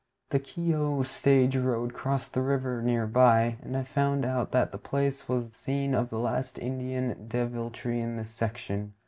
The Keogh stage road crossed the river near by, and I found out that the place was the scene of the last Indian deviltry in this section.